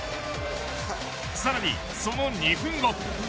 さらにその２分後。